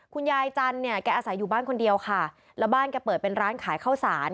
คุณยายจันทร์เนี่ยแกอาศัยอยู่บ้านคนเดียวค่ะแล้วบ้านแกเปิดเป็นร้านขายข้าวสาร